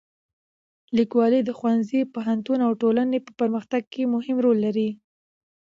لیکوالی د ښوونځي، پوهنتون او ټولنې په پرمختګ کې مهم رول لري.